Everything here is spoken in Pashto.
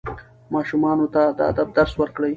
ماشومانو ته د ادب درس ورکړئ.